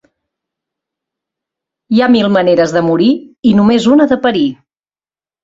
Hi ha mil maneres de morir i només una de parir.